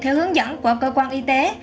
theo hướng dẫn của cơ quan y tế